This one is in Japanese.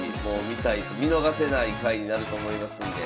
見逃せない回になると思いますんで。